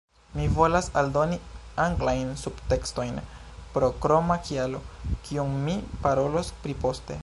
Mi volas aldoni anglajn subtekstojn pro kroma kialo kiun mi parolos pri poste